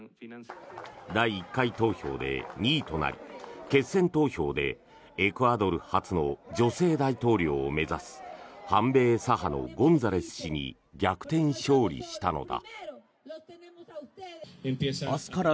第１回投票で２位となり決選投票でエクアドル初の女性大統領を目指す反米左派のゴンザレス氏に逆転勝利したのだ。